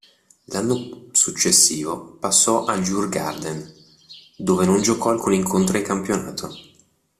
L'anno successivo passò al Djurgården, dove non giocò alcun incontro di campionato.